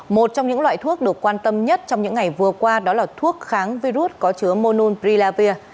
một trong những loại thuốc được quan tâm nhất trong những ngày vừa qua đó là thuốc kháng virus có chứa monunbrilabir